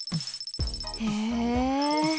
へえ。